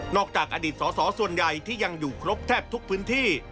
จากอดีตสอสอส่วนใหญ่ที่ยังอยู่ครบแทบทุกพื้นที่